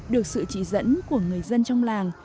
được sự chỉ dẫn của người dân trong làng